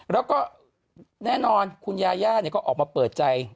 แล้วก็แน่นอนคุณยาย่าก็ออกมาเปิดใจ